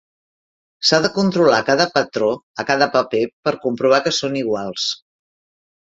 S'ha de controlar cada patró a cada paper per comprovar que són iguals.